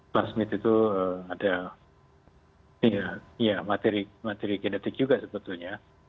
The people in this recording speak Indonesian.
plasmid itu ada materi genetik juga sebetulnya